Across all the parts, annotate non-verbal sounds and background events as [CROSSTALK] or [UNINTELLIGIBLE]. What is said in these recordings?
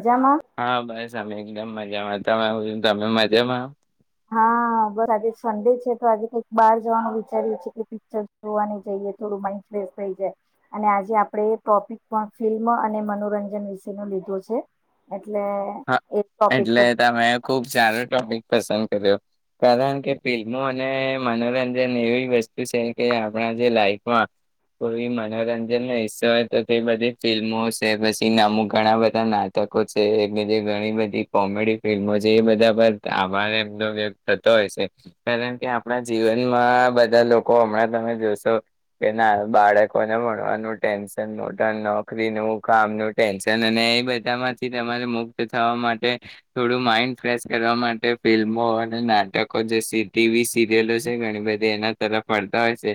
મજામાં હા બસ તમે એકદમ મજામાં તમે હ છ તમે મજામાં આવ? હા બસ આજે સન્ડે છે તો આજે કઈક બાર જવાનું વિચાર્યું છે કે પિક્ચર જોવાની જઈએ થોડું માન્ડ ફ્રેશ થઈ જાય અને આજે આપડે એ ટોપિક પણ ફિલ્મ અને મનોરંજન વિશે ન લીધું છે. એટલે હા એ ટોપિક એટલે પર તમે ખુબ સારો ટોપિક પસંદ કર્યો કારણ કે ફિલ્મો અને મનોરંજન એવી વસ્તુ છે કે આપણા જે લાઈફમાં કોઈ મનોરંજનનો હિસ્સો હોય તો તે બધી ફિલ્મો છે પછી અમુક ઘણા બધા નાટકો છે. ઘણી બધી કોમેડી ફિલ્મો છે એ બધા પર આભાર એમનો વગ થતો હોય છે કારણ કે આપણા જીવનમાં બધા લોકો હમણાં તમે જોશો કે ના બાળકોને ભવાનું ટેન્શન મોટ નોકરીનું કામનું ટેન્શન અને એ બધામાંથી તમારે થ માટે થોડું માઇન્ડ ફ્રેશ કરવા માટે ફિલ્મો અને નાટકો જે ટીવી સિરિયલો છે ઘણી બધી એના તરફ ફરતા હોય છે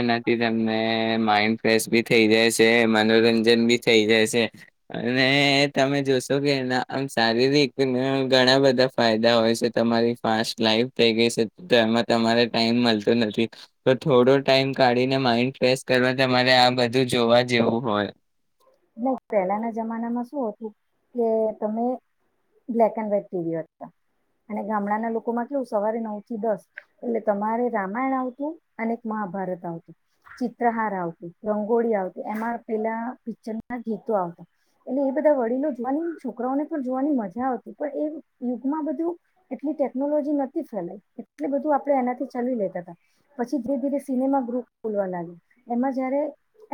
એનાથી તમને માઈન્ડ ફ્રેશ બી થઈ જાય છે મનોરંજન બી થઈ જાય છે અને તમે જોશો કે એના આમ શારીરિક ઘણા બધા ફાયદા હોય છે તમારી ફાસ્ટ લાઈફ થઈ ગઈ છે તેમાં તમારે ટાઈમ મળતો નથી તો થોડો ટાઈમ કાઢીને માઇન્ડ ફ્રેશ કરવા તમારે આ બધું જોવા જેવું હોય ન પહેલાના જમાનામાં શું હતું કે તમે બ્લેક એન્ડ વ્હાઈટ ટીવી હતા અને ગામડાના લોકોમાં કેવું સવારે નવ થી દસ એટલે તમારે રામાયણ આવતું અને મહાભારત આવતું ચિત્રહાર આવતું રંગોળી આવતી એમાં પેલા ગીતો આવતા એટલે એ બધા વડીલો જોવાની છોકરાઓને પણ જોવાની મજા આવતી પણ એ યુગમાં બધું એટલી ટેકનોલોજી નથી ફેલાય એટલે બધું આપે એનાથી ચલી લેતા ત પછી ધીરે ધીરે સિનેમા ગ્રુપ ખોલવા લાગ્યો એમાં જયારે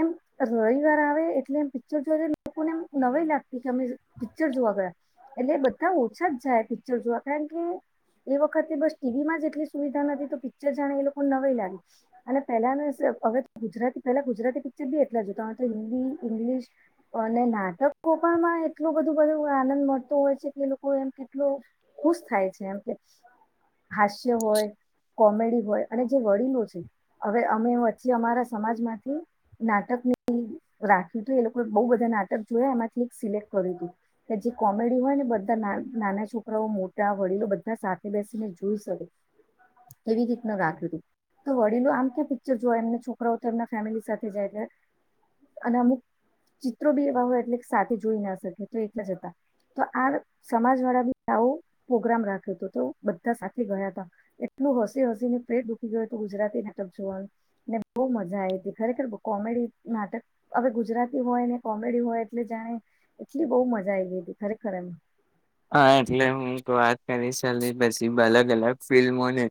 એમ રવિવાર આવે. એલે એમ પિક્ચર જોવા લોકોને એમ નવા લાગતી કે અમે પિક્ચર જોવા ગયા એટલે બધા ઓછા જ જાય પિક્ચર જોવા કારણ કે એ વખતે બસ ટીવીમાં જ એટલી સુવિધા નથી તો પિક્ચર જાણે એ લોકોને નય લાગી અને પહેલા હવે ગુજરાતી પહેલા ગુજરાતી પિક્ચર બી એટલા જોતામે તો હિન્દી ઇંગ્લિશ અને નાટકો પણમાં એટલું બધું બધું આનંદ મળતો હોય છે કે એ લોકો એમ કેટલો ખુશ થાય છે, એમ કે હાસ્ય હોય કોમેડી હોય અને જે વડીલો છે, હવે અમે વચ્ચી અમારા સમાજમાંથી નાટકની રાખ્યું હતું એ લોકો બહુ બધા નાટક જોયા એમાંથી એક સિલેક્ટ કર્યું હતું કે જે કોમેડી હોય ને બધા નાના છોકરાઓ મોટા વડીલો બધા સાથે બેસીને જોઈ શકે એવી રીતનું રાખ્યું હતું તો વડીલો આમ ક્યાં પિક્ચર જો એમ છોકરાઓ તો એમ ફેમિલી સાથે જાય. અને અમુક ચિત્રો બી એવા હોય એટલે સાથે જોઈ ના શકે, તો એલા જ હતા તો આ સમાજ વાળા બી આવો પ્રોગ્રામ રાખ્યો હતો તો બધા સાથે ગયા હતા એટલું હસી હસીને પેટ ડુખી ગયું હતું ગુજરાતી નાટક જોવાનું ને બહુ મજા આવી હતી ખરેખર કોમેડી નાટક હવે ગુજરાતી હોય ને કોમેડી હોય એટલે જાણે એટલી બહુ મજા આવી ગઈ હતી ખરેખર એ હા એટલે હું વાત કરી ચલી પછી અલગ અલગ ફિલ્મોને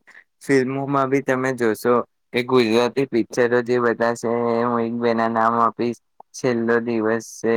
ફિલ્મોમાં બી તમે જોશો કે ગુજરાતી પિક્ચરો જે બધા છે. હું એક બે ના નામ આપીશ છેલ્લો દિવસ છે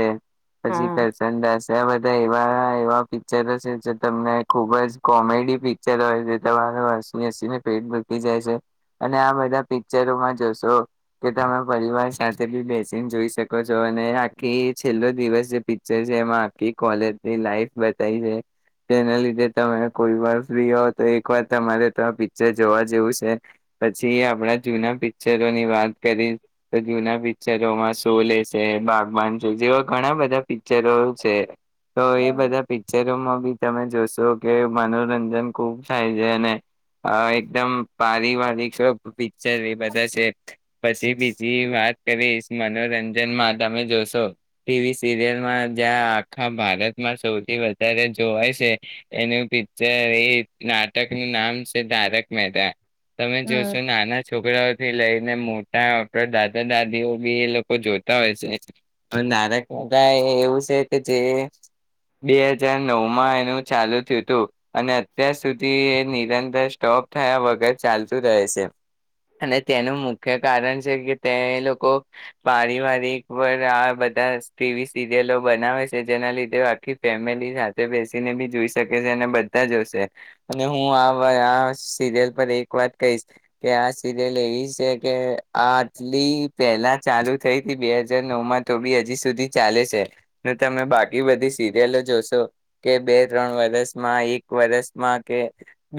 પછી હમ કરશન દાસ છે આ બધા એવા એવા ક્ચરો છે જે તમને ખૂબ જ કોમેડી પિક્ચર હોય જે તમારો હસી હસીને પેટ મૂકી જાય છે, અને આ બધા પિક્ચરોમાં જોશો કે તમે પરિવાર સાથે બી બેસીને જોઈ શકો છો અને આખી છેલ્લો દિવસ જે પિક્ચર છે, એમાં આખી કોલેજની લાઈફ થ છે તેના લીધે તમે કોઈ વાર ફ્રી હો તો એક વાર તમારે તો આ પિક્ચર જોવા જેવું છે, પછી આપણા જૂના પિક્ચરો ની વાત કરી તો જૂના પિક્ચરોમાં સોલે છે, બાગવાન છે જેવા ઘણા બધા પિક્ચરો છે. તો એ બધા પી પિકમાં બી તમે જોશો કે મનોરંજન ખુબ થાય છે અને અ એકદમ પારિવારિ પિક્ચર એ બધા છે. પછી બીજી વાત કરી મનોરંજનમાં તમે જોશો ટીવી સિરિયલમાં જ્યાં આખા ભારતમાં સૌથી વધ ધારે અત્યારે જોવાય છે એનું પિક્ચર એ નાટકનું નામ છે, ધારક મહેતા તમે જોશો નાના છોકરાઓથી લઈ મોટા દાદા દાદીઓ બી એ લોકો જોતા હોય છે નારક માતા એવું છે કે જે બે હજાર નવ માં એનું ચાલુ થયું હતું. અને અત્યાર સુધી નિરંતર સ્ટોપ થયા વગર ચાલતું રહે છે, અને તેનું મુખ્ય કારણ છે કે તે લોકો પારિવાર પર આ બધા ટીવી સિરિયલો બનાવે છે જેના લીધે આખી ફેમિલી બેસીને બી જોઈ શકે છે, અને બધા જોશે અને હું આ આ સિરિયલ પર એક વાત કહીશ કે આ સિરિયલ એવી છે કે આ આટલી પહેલા ચાલુ થઈ હતી બે હાજાર નવ માં તો બી હજી સુધી ચાલે છે તો તમે બાકી બધી સિરિયલો જોશો. કે બે ત્રણ વરસમાં એક વરષમાં કે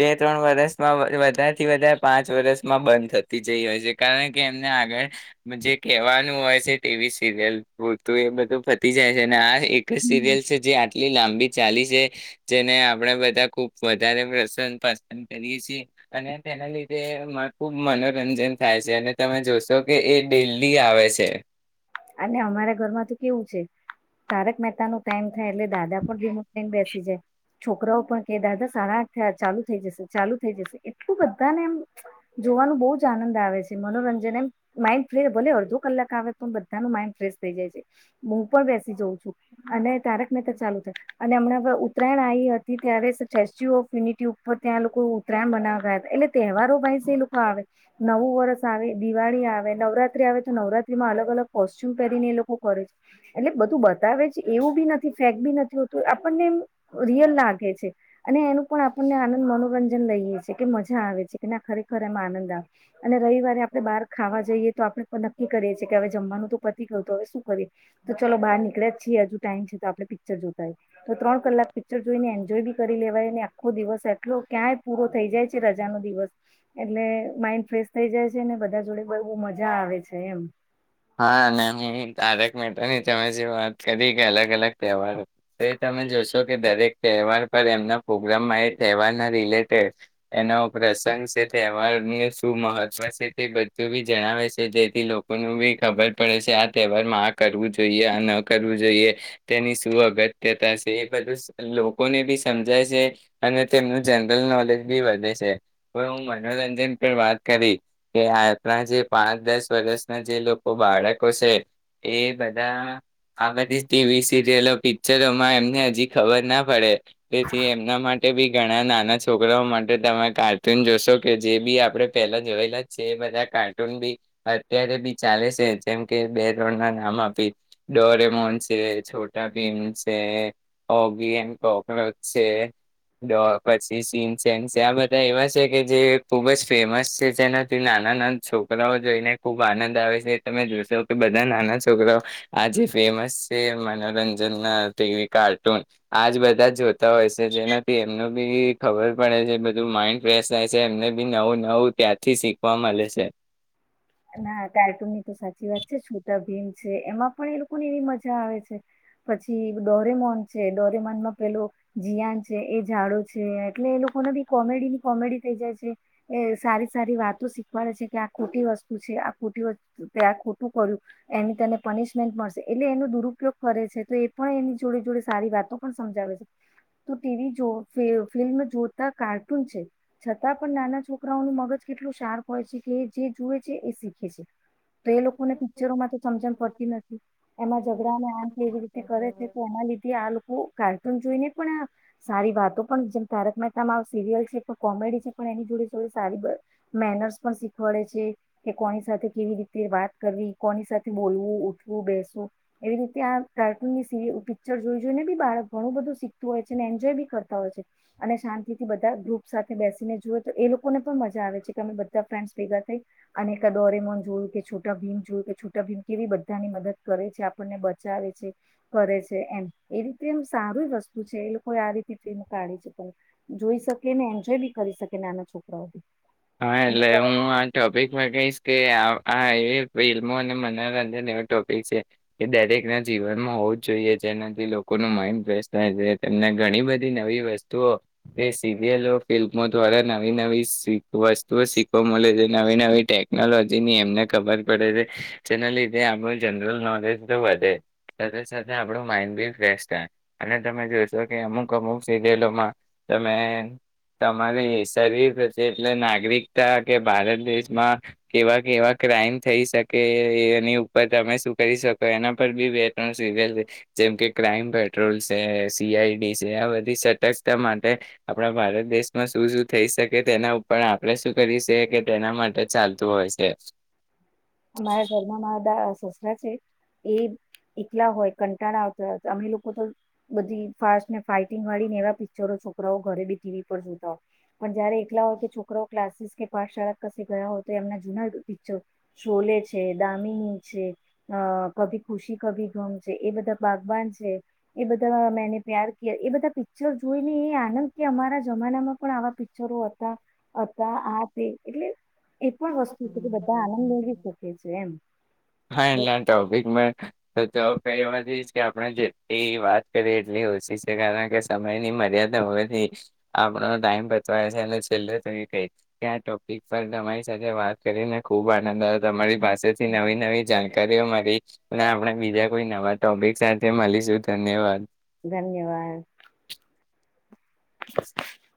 બે ત્રણ વરસમાં વધારેથી વધારે પાંચ વર્ષમાં બંધ થતી જઈ હોય છે, કારણ કે એમને આગળ જે કહેવાનું હોય છે ટીવી સિરિયલતું એ બધું થતી જાય છે અને આ એક જ સિરિયલ છે જે આટલી લાંબી ચાલી છે જેને આપણેે બધા ખુબ વધારે પ્રસન પસંદ કરીએ છીએ અને તેના લીધે ને એ ખુબ મનોરંજન થાય છે અને તમે જોશો કે એ ડેલી આવે છે. અને અમારા ઘરમાં તો કેવું છે તારક મહેતા ન ટાઈમ થાય એટલે દાદા પણ રીમો બેસી જાય. છોકરાઓ પણ કે દાદા સારા થ ચાલુ થઈ જશે ચાલુ થઈ જશે એટલું બધાને એમ જોવાનું બહુ જ આનંદ આવે છે, મનોરંજન એમ માઇન્ડ ફ ભલે અડધો કલાક આવે તો માઇન્ડ ફ્રેશ થઈ જાય છે, હું પણ બેસી જઉ છું અને તારક નનેકર ચાલુ થાય અને હમણાં હ ઉત્તરાયણ આવી હતી ત્યારે સ્ટેચ્યુ ઓફ યુનિટી ઉપર ત્યાં લોકો ઉત્તરાયણ બનાવયા હતા એટલે તહેવારો ભાઈ એ લોકો આવે નવું વરષ આવે દિવાળી આવે નવરાત્રી આવે તો નવરાત્રીમાં અલગ અલગ કોસ્ટ્યુમ પહેરીને એ લોકો કરે છે એટલે બધું બતાવે છે. એવું બી નથી ફેક બી નથી હોતું આપણને એમ રિયલ લાગે છે અને એનું પણ આપણને આનંદ મનોરંજન લઈએ છે કે મજા આવે છે કે ના ખરેખર એમ આનંદ આવે અને રવિવારે આપણે બહાર ખાવા જઈએ તો આપણે નક્કી કરીએ છીએ કે હવે જમવાનું તો પતિ કહ તો હવે શું કરીએ તો ચાલો બહાર નીકળ્યા જ છીએ હજુ ટાઈમ છે, તો આપડણે પિક્ચર જોતા હોય તો ત્રણ કલાક પિક્ચર જોઈને એન્જોય બી કરી લેવાયને આખો દિવસ એટલો ક્યાંય પૂરો થઈ જાય છે રજાનો દિવસ એટલે માઈન્ડ ફ્રેશ થઈ જાય છે, અને બધા જોડે બ મજા આવે છે એમ હા અને તારક મહેતાની તમે જે વાત કરી કે અલગ અલગ તહેવાર તો એ તમે જોશો કે દરેક તહેવાર પર એમના પ્રગ્રામમાં એ તહેવારના રિલેટેડ એનો પ્રસંગ છે, તહેવારને શું મહત્વ છે તે બધું બી જણાવે છે જેથી લોકોનું બી ખબર પડે છે આ તહેવારમાં આ કરવું જોઈએ આ ન કરવું જોઈએ તેની શું અગત્યતા છે, એ બધું લોકોને બી સમજાય છે અને તેમનું જનરલ નોલેજ બી વધે છે હવે હું મનોરંજન પર વાત કરી કે આપણા જે પાંચ દસ વર્ષના જે લોકો બાળકો છે એ બધા આ બધી ટીવી સિરિયલો પિક્ચરોમાં એમને હજી ખબર ના પડે તેથી એમના માટે બી ઘણા નાના છોકરાઓ માટે તમે કાર્ટૂન જોશો કે જે બી આપણે પેલા જોયેલા છે એ બધા કાર્ટૂન બી અત્યારે ચાલે છે જેમ કે બે ત્રણ ના નામ આપી ડોરેમોન છે છોટા પીમ છે હોગી એન્ કોક્રોચ છે પછી સીસ છે આ બધા એવા છે કે જે ખુબ જ ફેમસ છે જેનાથી નાના નાના છોકરાઓ જોઈને ખુબ આનંદ આવે છે. તમે જોશો કે બધા નાના છોકરા આજે ફેમસ છે, મનોરંજન નાવી કાર્ટૂન આજ બધા જોતા હોય છે, જેનાથી એમનું બી ખબર પડે છે બધું માઈન્ડ ફેશ થાય છે. એમને બી નવું નવું ત્યાંથી શીખવા મળે છે. ના કાર્ટૂન ની તો સાચી વાત છે છોટા ભીમ છે એમાં પણ એ લોકોને એવી મજા આવે છે પછી ડોરેમોન છે ડોરેમોનમાં પેલો જિયાન છે એ ઝડો છે એટલે એ લોકોને બી કોમેડી ની કોમેડી થઈ જાય છે, એ સારી સારી વાતો શીખવાડે છે કે આ ખોટી વસ્તુ ખો આ ખોટું કર્યું એની તને પનિશમેન્ટ મળશે એટલે એનો દુરુપયોગ કરે છે તો એ પણ એની જોડે જોડે સારી વાતો પણ સમજાવે છે તો ટીવી જો ફિલ્મ જોતા કાર્ટૂન છે છતાં પણ નાના છોકરાઓનું મગજ કેટલું શાર્પ હોય છે કે જે જો જે એ શીખે છે તો એ લોકોને પિક્ચરોમાં તો સમજણ પડતી નથી એમાં ઝઘડા ત જોઈને પણ સારી વાતો પણ જેમ તારક મહેતા મા સિરિયલ છે કોમેડી છે પણ એની જોડે જોડે સારી મેનર્સ પણ શીખવાડે છે. કે કોની સાથે કેવી રીતે વાત કરવી કોની સાથે બોલવું ઉઠવું બેસવું એવી રીતે આ કાર્ટૂનની સિરી પિક્ચર જોઈ જોઈને બી બાળક ઘણું બધું શીખતું હોય છે અને એન્જોય બી કરતા હોય છે અને શાંતિ થી બધા ગ્રુપ સાથે બેસીને જોુએ તો એ લોકોને પણ મજા આવે છે કે અમે બધા ફ્રેન્ડસ ભેગા થઈ અને ક દોરેમોન જોયું કે છોટા ભીમ જોયું કે છૂટા ભીમ કેવી બધાની મદદ કરે છે આપણને બચાવે છે કરે છે એમ એવીતે એમ સારું વસ્તુ છે એ લોકો આ રીતે પ્રેમ કાઢે છે પણ જોઈ શકે ને એન્જોય બી કરી શકે નાના છોકરાઓ બી હા અને એટલે હું આ ટોપિક હું કહીશ કે આ એવી ફિલ્મો અને મનોરંજન એવ ટોપિક છે એ દરેક ના જીવનમાં હોવું જ જોઈએ જેનાથી લોકોનું માઇડ ફ્રેશ થાય છે તેમને ઘણી બધી નવી વસ્તુઓ એ સીરિયલો [UNINTELLIGIBLE] દ્વારા નવી નવી શીખ વસ્તુઓ શીખવા મળે છે નવી નવી ટેકનોલોજીની એમને ખબર પડે છે જેના લીધે આપણું જનરલ નોલેજ તો વધે સાથે સાથે આપણું માઇન્ડ બી ફ્રેશ થાય અને તમે જોશો કે અમુક અમુક સિરિયલોમાં તમે તમારી શરીર એટલે નાગરિકતા કે ભારત દેશમાં કેવા કેવા ક્રાઈમ થઈ શકે એની ઉપર તમે શું કરી શકો એના પર બી બે ત્રણ સીરિયલ જેમ કે ક્રાઈમ પેટ્રોલ છે સીઆઈડી છે આ બધી સતર્કતા માટે આપણા ભારત દેશમાં શું શું થઈ શકે તેના પર આપણે શું કરી સે કે તેના માટે ચાલતું હોય સે. અમારા ઘર મા બધા સસરા છે એ એકલા હોય કંટાળ આવતા હોય અમે લોકો તો બધી ફાસ્ટ ને ફાઈટિંગ વાળી ને એવા પિક્ચરો છોકરાઓ ઘરે બી ટીવી પર જોતા હોય પણ જયારે એકલા હોય કે છોકરાઓ ક્લાસીસ કે પાઠશાળા કસે ગયા હોય તો એમના જૂના પિક્ચર શોલે છે દામિની છે અ કભી ખુશી કભી ગમ છે એ બધા બાગવાન છે એ બધા મેને પ્યાર ક એ બધા પિક્ચર જોઈને એ આનંદ કે અમારા જમાનામાં પણ આવા પિક્ચરો હતા. અતા આ તે એટલે એ પણ વસ્તુ છે કે બધા આનંદ એમ હા બસ, એટલે ટોપિક મે તો તો [UNINTELLIGIBLE] કે આપણે જેટલી વાત કરીએ એટલી ઓછી સે કારણ કે સમયની મર્યાદા હોવાથી આપણો ટાઈમ પચવાય છે અને છેલ્લો [UNINTELLIGIBLE] કે આ ટોપિક પર તમારી સાથે વાત કરીને ખૂબ આનંદ આયો તમારી પાસેથી નવી નવી જાણકારીઓ મરી અને આપણે બીજા કોઈ નવા ટોપિક સાથે મળીશું ધન્યવાદ. ધન્યવાદ [INAUDIBLE]